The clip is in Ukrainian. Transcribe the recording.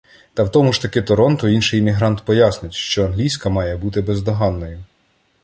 Та в тому ж таки Торонто інший іммігрант пояснить, що англійська «має бути бездоганною»